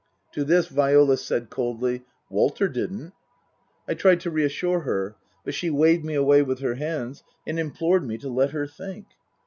To this Viola said coldly, " Walter didn't." I tried to reassure her, but she waved me away with her hands and implored me to " let her think."